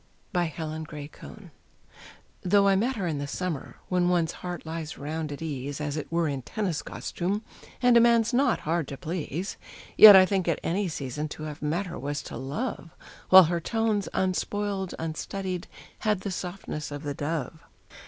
BY HELEN GRAY CONE. Though I met her in the summer, when one's heart lies 'round at ease, As it were in tennis costume, and a man's not hard to please; Yet I think at any season to have met her was to love, While her tones, unspoiled, unstudied, had the softness of the dove.